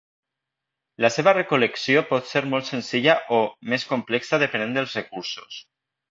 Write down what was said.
La seva recol·lecció pot ser molt senzilla o més complexa depenent dels recursos.